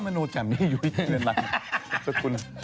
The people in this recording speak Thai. มโนแจมนี่อยู่อย่างนั้น